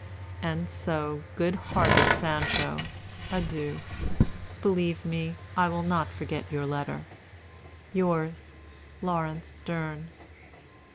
"And so, good hearted Sancho, adieu. Believe me, I will not forget your letter. "Yours, "LAURENCE STERNE."